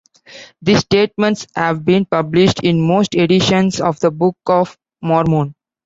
These statements have been published in most editions of the Book of Mormon.